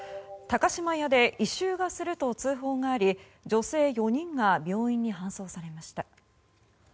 高島屋で異臭がすると通報があり女性４人が病院に搬送されました。